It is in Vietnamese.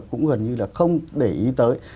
cũng gần như là không để ý tới